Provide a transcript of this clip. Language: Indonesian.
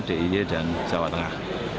di jawa tengah